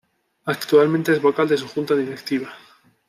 Actualmente es vocal de su Junta directiva.